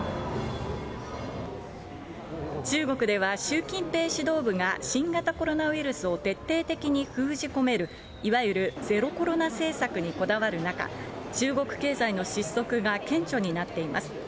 中国では習近平指導部が新型コロナウイルスを徹底的に封じ込める、いわゆるゼロコロナ政策にこだわる中、中国経済の失速が顕著になっています。